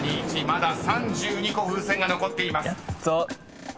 まだ３２個風船が残っています］